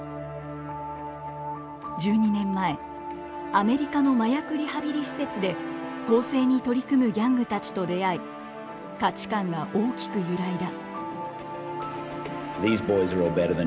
１２年前アメリカの麻薬リハビリ施設で更生に取り組むギャングたちと出会い価値観が大きく揺らいだ。